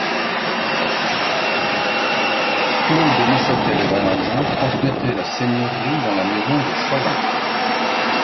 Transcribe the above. Claude de Neuchâtel-Valangin transmettait la seigneurie dans la maison de Challant.